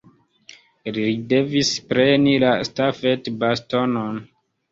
Li devis preni la stafetbastonon.